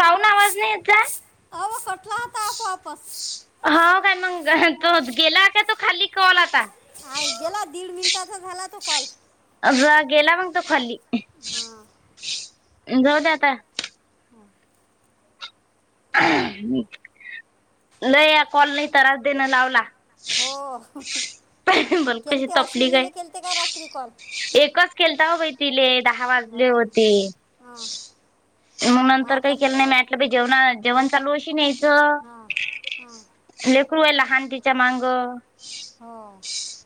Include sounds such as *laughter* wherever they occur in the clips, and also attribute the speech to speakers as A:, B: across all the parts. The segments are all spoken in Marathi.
A: काऊन आवाज नाही याचाय
B: अहो कटला होता आपोआपच
A: हो काय मग तो गेला का तो खाली कॉल आता
B: आ गेला दीड मिनटाचा झाला तो कॉल
A: गेला मग तो खाली
B: हां
A: जाऊ द आता ल या कॉल नाही तारास देणं लावला
B: हो
A: बोल कशी
B: केलते
A: तपली काय
B: अश्विनीला केलते का रात्री कॉल
A: एकच केलता हो बाई तिले दहा
B: हो
A: वाजले
B: का
A: होते
B: *inaudible* मग आता
A: *unintelligible*
B: *unintelligible*
A: लेकरू आहे लहान तिचा मांग
B: हो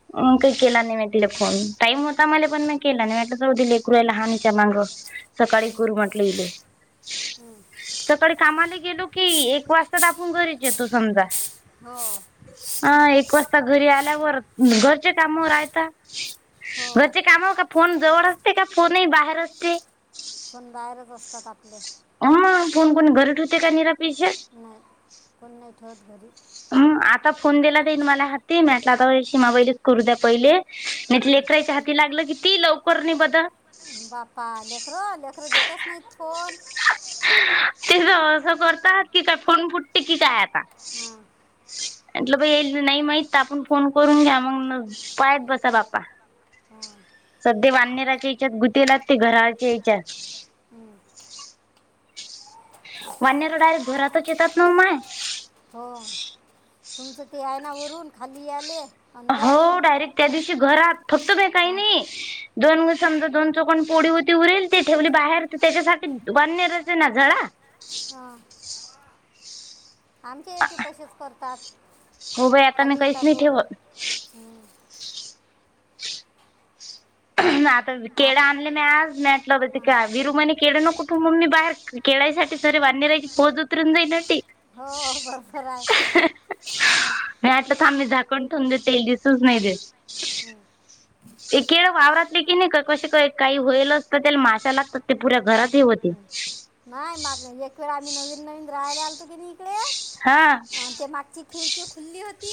A: *unintelligible* *inaudible*
B: *inaudible*
A: सकाळी कामाला गेलो की एक वाजता त आपून घरीच येतो समजा
B: *inaudible*
A: अ एक वाजता घरी आल्यावर घरचे काम राहतात
B: हो
A: घरचे काम का फोन जवळ असते का फोन ह बाहेर असते
B: फण बाहेरच असतात आपले
A: आम्मा फोन कोण घर ठूते काय निरापीचे
B: नाही कोण नाही ठेवत घरी
A: हम आता फोन दिला देईन मला हाती म्हटलं आता शीमा वैलीच करू द्या पहिले नाही
B: हं.
A: लेकरायच्या हाती लागलं कि ती लवकर नाही बद
B: बापा लेकरं लेकरं देतच नाहीत फोन
A: ते असं करतात की काय फोन फुटते की काय आता
B: हां
A: म्हटलं प येईल नाही माहित आपण फोन करून घ्या मग पहात बसा बाप्पा *unintelligible* वानेर डायरेक्ट घरातच येतात न व माय
B: हो तुमचं ते आहे ना वरून खाली यायले
A: *unintelligible*
B: *inaudible*
A: *inaudible* *unintelligible* *inaudible*
B: हां आमच्या येथे तसेच करतात
A: हो बाई आता मी
B: खाली
A: काहीच
B: येतात
A: नाही
B: वरून
A: ठेवत
B: आता हं.
A: *unintelligible* *unintelligible*
B: हो बरोबर आहे
A: *unintelligible* *unintelligible*
B: नाही माघ एक वेळ आम्ही नवीन नवीन राहायला आलतो की नाही इकडे
A: *inaudible*
B: अन् ते मागची खिडकी खुल्ली होती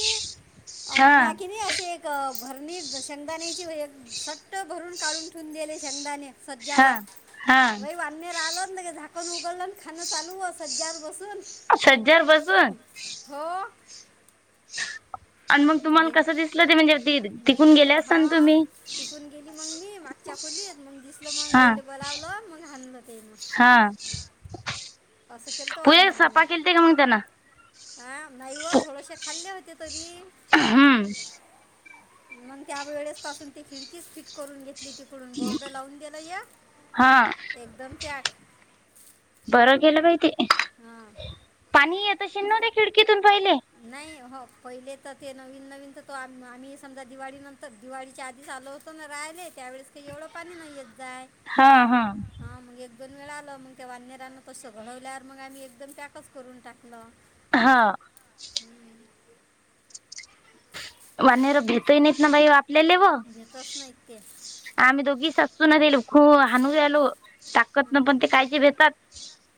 B: अ
A: हा
B: मी कि नाही असे एक भरणी शेंगदाणेची आहे एक सट्ट भरून काढून ठेवून दिले शेंगदाणे
A: हा हा
B: *unintelligible* झाकण उघडलं आणि खान चालू सज्ज्यावर बसून
A: *unintelligible*
B: हो
A: *inaudible* आणि मग तुम्हाला
B: ये-
A: कसं दिसलं ते म्हणजे
B: मला
A: तिकून गेले
B: दि-
A: असल ना
B: हा
A: तुम्ही
B: तिकून गेली मग
A: हा
B: *unintelligible* असं केलं तर वाननेरानं
A: *unintelligible*
B: हा नाही व थोडेसे खाल्ले होते तरी
A: हम्म
B: मग त्या वेळेस पासून ती खिडकीच फिट करून घेतली तिकडून बोर्ड लावून दिल एक
A: हा
B: एकदम पॅक
A: बरं केलं बाई ते
B: *inaudible*
A: पाणी येत अशील न खिडकीतून पाहिले
B: नाही हो पहिले तर ते नवीन नवीन तर तो आम्ही समजा दिवाळी नंतर दिवाळीच्या आधीच आचालो होतो राहिले त्यावेळेस काही एवढं पाणी नाही येत जाय
A: हा हा
B: हा मग एक दोन वेळा आलं मग त्या वाननेरांना तसं घडवल्यावर मग आम्ही एकदम पॅकच करून टाकलं
A: हा वनर भेेतोय नाहीत ना बाई आपपल्यालेव
B: घेतच नाहीत ते
A: आम्ही दोघी सासू न दिलो खू हणू आलो ताकत
B: हां
A: ना पण ते काहीचे भेतात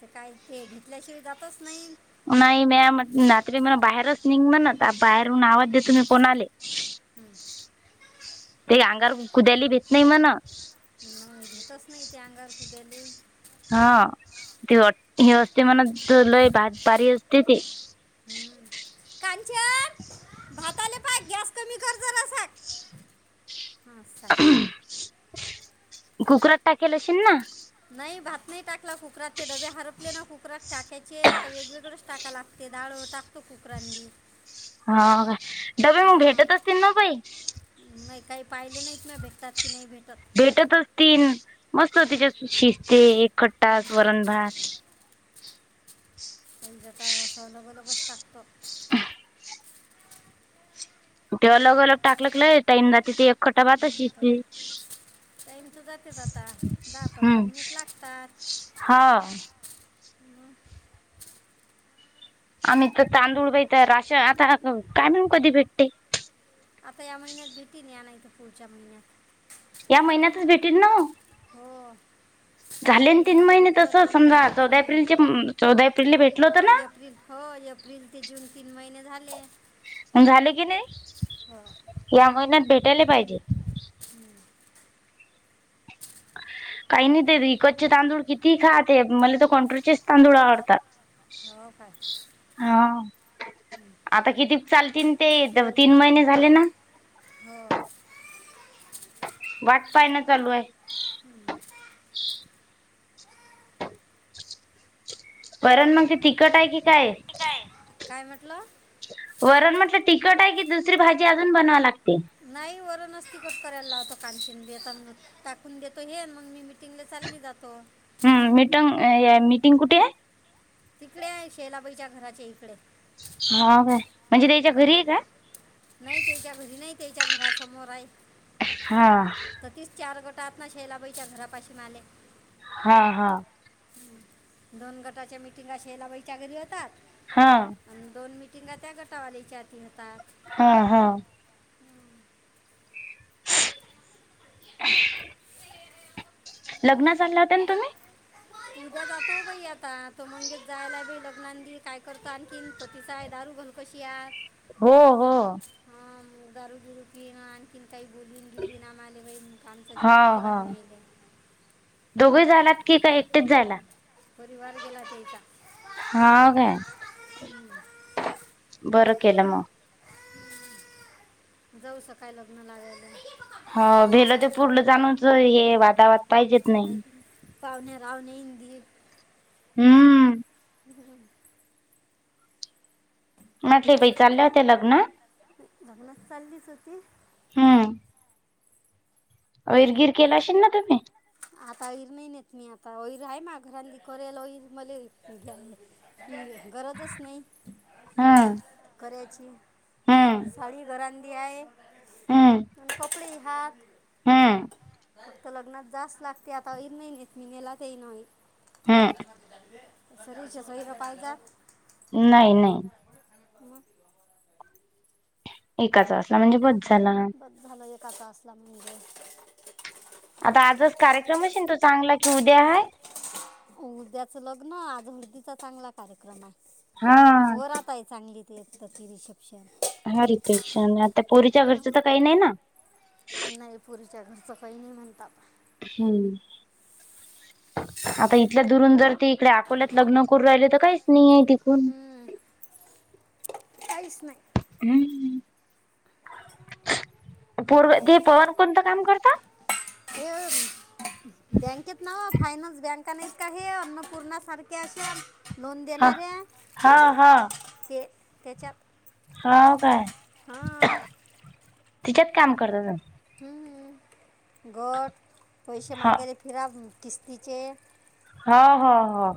B: ते काय ते घेतल्याशिवाय जातच नाही
A: नाही म रात्री मला बाहेरच निघ म्हणं बाहेरून आवाज देतो मी कोण आले
B: *inaudible*
A: *unintelligible*
B: *unintelligible*
A: *unintelligible* *inaudible*
B: क भात आले पाय गॅस कमी करज हां सर
A: कुकरात टाकेलशन ना
B: नाही भात नाही टाकला कुकरात ते डबे हरपले ना कुकरात टाकायचे आता वेगवेगळेच टाका लाग ते डाळ टाकतो कुकरांनी
A: हा का डब्बे मग भेटत असतील न बय
B: म काही पाहिले नाहीत म भेटतात की नाही भेटात
A: भेटत असतील मस्त तिच्या शिस्ते एक खट्टा स् वरणभात
B: म्हणजे का सलगोलगच टाकतो
A: ते अलग अलग टाकल क ल टाईम ज तिथे एक खटा बहात
B: हं,
A: श
B: थोडं टाईम तर जातेच आता दहा पंधरा
A: हम्म
B: मिनिटं लागतात
A: हा
B: हं.
A: आम्ही तर तांदूळ बाई तर राशन आता काय म्हणून कधी भेटते
B: आता या महिन्यात भेटतील या नाय तर पुढच्या महिन्यात
A: या महिन्यातच भेटीन ना
B: हो
A: झाले ना तीन
B: एप्रिलमध्ये
A: महिने
B: भेटलं
A: तसं
B: होत
A: समजा
B: झाले तीन
A: चौदा
B: महिने
A: एप्रिलचे चौदा एप्रिलला भेटल होतं
B: हा
A: ना.
B: एप्रिल हो एप्रिल ते जून तीन महिने झाले
A: झाले की नाही
B: हो
A: या महिन्यात भेटायला पाहिजे
B: हम्म
A: काही नाही ते इकतचे तांदूळ किती खा मला तर कंट्रोचेच तांदूळ आवडतात
B: हो काय
A: हा आता किती चालतील ते तीन महिने झाले ना
B: हो
A: वाट पाहणं चालू आहे
B: हो
A: पण मग ते तिकट आहे की काय
B: काय म्हटलं
A: वरण म्हटलं तिकट आहे की दुसरी भाजी अजून बनवाव लागते
B: नाही वरणच तखट करायला लावतो कानशीन देत टाकून देतो हे मग मी तींनदा चालली जातो
A: हम्म मीटंग मीटिंग कुठे आहे
B: तिकडे आहे शेलाबाईच्या घराचे इकडे
A: हा काय म्हणजे त्याच्या घरी
B: हां
A: आहे का
B: नाही त्याच्या घरी नाही त्याच्या घरासमोर आहे
A: हां
B: तीच चार गोट आत ना शैलाबाईच्या घरापाशी माले
A: हा हा
B: दोन गटाच्या मिटिंगा शेलाबाईच्या घरी यतात
A: हा
B: आणि दोन मिटिंगा त्या गटावालीच्या तीतात
A: हा हा
B: *inaudible*
A: लग्न चाललं होतं ना तुम्ही
B: तज जातो बाई आता तो मणजे जायला लग्नान दि काय करतो आणखीन त तिचा आहे दारू बनतो कशी हाय
A: हो हो
B: हा दारू बीरू पिन आणखिन काही बोलूनं गेली ना माले कामचा
A: हा
B: जीव घेते
A: हा
B: *unintelligible*
A: दोघे जायलात की का एकटेच जायला
B: परिवार गेला त्या हिचा
A: हा काय बरं केलं मग.
B: जाऊ सकाय लग्न लागयला.
A: हो भेलं ते पूर्लं जाणच हे वादा वाद.
B: पाहणे राहणे हिंद
A: हम्म
B: हम्म हं.
A: म्हटले
B: काय
A: बाई
B: करतो
A: चालले
B: मग
A: होते लग्न
B: लग्नच चाललीच होती.
A: हम्म. वैरगैर केल असेल ना तुम्ही.
B: आता ईर नाही नेत मी आता वईर आहे मा घरांली केयला र मले. गरजच नाही
A: हम्म
B: करायची
A: हम्म
B: साडी घरा रंधी आहे
A: हम्म
B: म्ह खोकळी हाक.
A: हम्म.
B: फक्त लग्नात जास्त लागते आता येईन महिनेत *unintelligible*
A: हम्म.
B: सरीच्या सईरं पाईजात.
A: नाही नाही.
B: म
A: एकाच वाजला म्हणजे बच झाल.
B: बस झालं एकाचा एकच असला म्हणजे.
A: आता आजच कार्यक्रम शेंतू चांगला की उद्या आहे.
B: उद्याच लग्न आज हर्दीचा चांगला कार्यक्रम
A: हा.
B: आहे मग वरात आहे चांगली. ते एक करी शक शर
A: हा रिपेक्ष आता पोरीच्या घरचं तर काही नाही ना.
B: नाही पुरीच्या घरचं काही नाही म्हणतात.
A: हम्म. आता इथल्या दुरून जर त इकडे अकोल्यात लग्न करू राहिले तर काहीच नाहीये तिकून.
B: हम्म. काहीच नाही.
A: हम्म पूर्व ते पवन कोणतं काम करत?
B: *unintelligible* बँकेत नाव फायनान्स बँका नाही का हे अन्नपूर्णा सारखे असे. लोन
A: हा
B: देनाऱ्या
A: हा हा
B: ते तेच्यात.
A: हाव काय तिच्यात काम कर.
B: हम्म घात पैसे
A: हा
B: माग्यान फिरा तिस्तीचे.
A: हा हो हो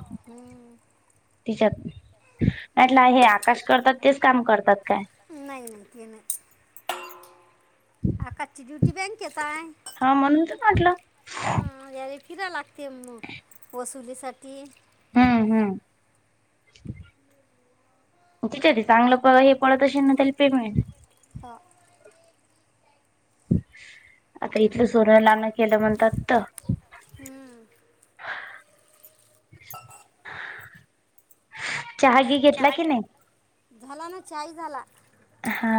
A: तिच्यात. म्हटलं हे आकाश करतात तेच काम करतात काय?
B: नाही नाही ते नाही आकाशची ड्युटी बँकेेताय.
A: हा म्हणून तर म्हटलं.
B: हा याले फिराय लागते म वसुलीसाठी.
A: हम्म हम्म, *unintelligible* पळत अशील ना त्याचे पेमेंट.
B: हा.
A: आता इथलं सोनं लान केलं म्हणतात
B: हम्म
A: *inaudible* चहा घी घेतला
B: यहा
A: की नाही?
B: घी झाला ना चाय झाला
A: हा.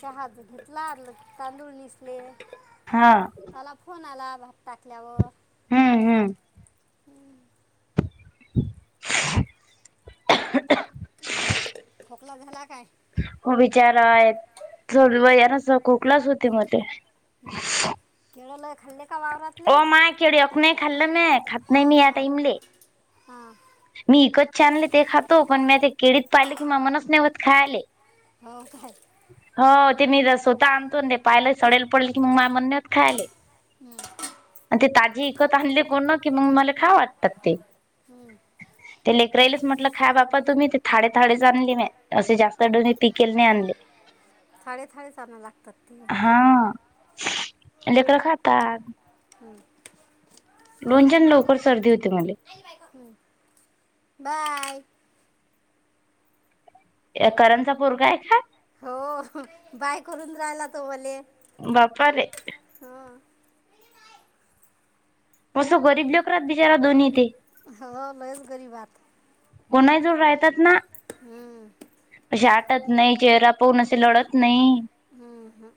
B: चहाज घेतला तांदूळ निसले.
A: हा.
B: त्याला फोन आला भात टाकल्यावर.
A: हम हम
B: हम्म
A: *inaudible*
B: खोकला झाला काय
A: हो बिचारा आहेत स वयाना खोकलाच होते मध्ये
B: हम्म केळ लय खल्ले का वावरात
A: हो माय केड अक नाही खाल्लं म खात नाही मी आता ईमले
B: हा
A: मी इकतचे आनले ते खातो पण मी ते केळीत पाहिले कि म मनच नव्हत खायले
B: हो काय
A: हो ते मी ज स्वतः आणतो ते पाहिलं सडेल पडले की मग माय म्हण नाही होत खायले
B: हम्म
A: आणि ते ताजी विकत आणले कोण की मग मला खाव वाटतात ते
B: हम
A: ते लेकरराईलाच म्हटलं खाय बापा तुम्ही ते थाडे थाडेच आणले म असे जास्त डोनो पिकेल नाही आणले *inaudible*
B: थाडे थाडे च आणाय लागतात ते
A: हा लेकर खातात
B: हम
A: लोणच्याान लवकर सर्दी होते मले
B: हं. बाय
A: ए करंचा पोरगा आहे का
B: हो बाय करून राहिला तो मले
A: बापा रे
B: हा
A: कसं गरीब लोकरात बिचारा दोन्ही तेे
B: हो लयच गरीब बात
A: कोणाही जोड राहतात ना
B: हम्म
A: अशे आटत नाही चेहरा पहून असे लढत नाही
B: ह हं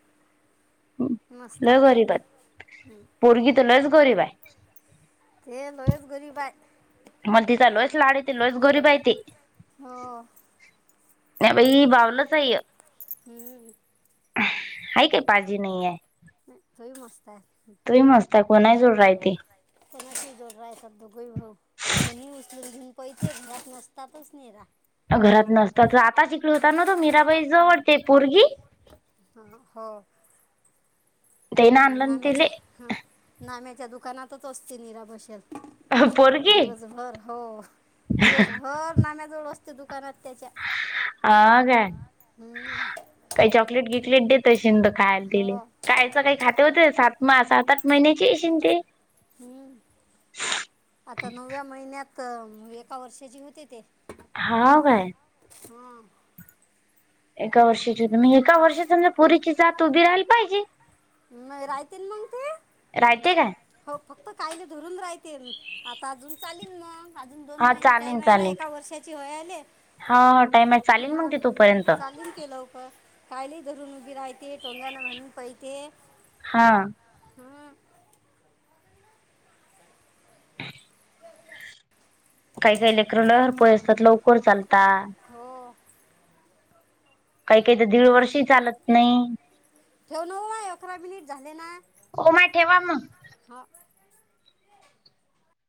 A: लई गरीब आहेत पोरगी तर लईच गरीबाय
B: हे लईच गरीबाई
A: मग तिथ लस लाड येते लस गरीबायतेे
B: हो
A: नाहीई बावलंचय
B: हम्
A: ह काय पाळजी नाहीये
B: नाही, तोही मस्त आहे
A: तु ही मस्ताय कोणाही जोड राय ते
B: समोस जोड राहाय सब दोगोई भाऊ को् मुस्लिम भिन खय ते नत नसतातच नाही राहा
A: घरात नसतात तर आता शिकडे होता ना तो मीराबाई जवळते पोरगी
B: ह हो
A: ते ना आणलं
B: नाम्याच्या
A: तिले
B: हा नाम्याच्या दुकानातच असते नीरा भषेल
A: पोरगी
B: दिवसभर हो दिवसभर नाम्याजवळ असते दुकानात त्याच्या
A: हा काय
B: हम्म,
A: काही चॉकलेट गिकलेट देत शिंद खायला तीले
B: हो
A: कायच काही खाते होते सात सात आठ महिन्याची शि ते
B: हम्म आता नवव्या महिन्यात एका वर्षाची होते ते.
A: हा काय.
B: हां.
A: एका वर्षाची होम एका वर्षा समजा पुरीची जात उभी राहाला पाहिजे.
B: मग राहतील मग ते.
A: राहतेय काय.
B: हो फक्त कायले धरून राहते आता अजून चालेल नाग. अजून दोन
A: हा
B: महिने
A: चालेल
B: टाईम आहे ना
A: चालेल
B: एका वर्षाची वय आले.
A: हा टाइम आहे चालेल मग त तोपर्यंत.
B: तचालीम केलं हो का. कायली धरून उभी राहते टोंग्याना म्हणून पहतेे.
A: हां
B: हां
A: ह *inaudible* काही काही लेकरू हर पोय असतात लवकर चालतात
B: हो
A: काही काही तर दीड वर्ष चालत नाही.
B: ठेव नऊ अकरा मिनिट झाले ना.
A: मा ठेव म.
B: हा.